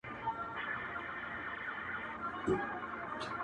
اختر نژدې دی.